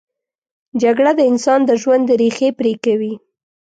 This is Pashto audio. جګړه د انسان د ژوند ریښې پرې کوي